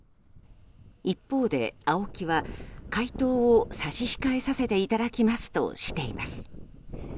一方でＡＯＫＩは回答を差し控えさせていただきますとしています。